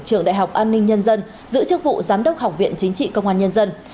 trường đại học an ninh nhân dân giữ chức vụ giám đốc học viện chính trị công an nhân dân